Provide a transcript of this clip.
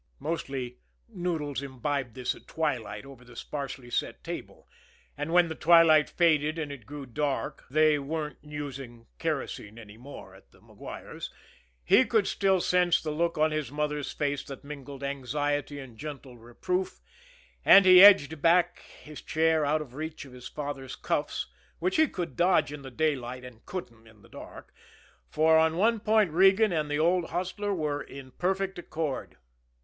Mostly, Noodles imbibed this at twilight over the sparsely set table, and when the twilight faded and it grew dark they weren't using kerosene any more at the Maguires he could still sense the look on his mother's face that mingled anxiety and gentle reproof; and he edged back his chair out of reach of his father's cuffs, which he could dodge in the daylight and couldn't in the dark for on one point Regan and the old hostler were in perfect accord.